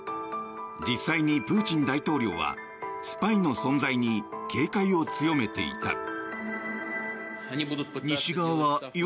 実際にプーチン大統領はスパイの存在に警戒を強めていた。